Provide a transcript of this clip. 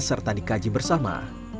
menjaga kesempatan dikaji bersama